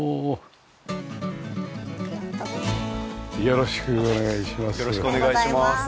よろしくお願いします。